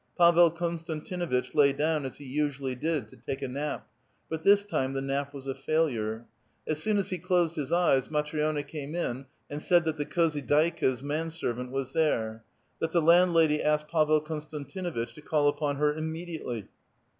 Pavel Konstantinuiteh lay down, as he usually did, to take a nap, but this time the nap was a failure. As soon as he closed his eyes, Matri6na came" in and said that the kliozydtka's manservant was there ; that the landlady asks Pavel Konstantinuiteh to call upon her immediately.